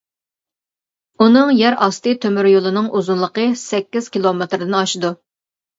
ئۇنىڭ يەر ئاستى تۆمۈر يولىنىڭ ئۇزۇنلۇقى سەككىز كىلومېتىردىن ئاشىدۇ.